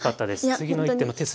次の一手の手筋